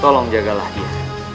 tolong jagalah dia